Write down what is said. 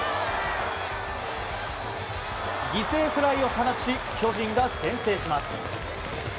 犠牲フライを放ち巨人が先制します。